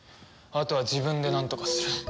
あとは自分でなんとかする。